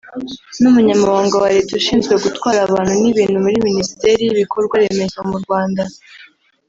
n’Umunyamabanga wa Leta ushinzwe gutwara abantu n’ibintu muri Minisiteri y’Ibikorwa Remezo mu Rwanda